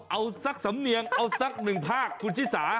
เอาสักสำเนียงเอาสักหนึ่งภาคคุณชิสา